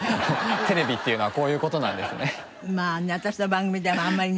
テレビっていうのはこういう事なんですね。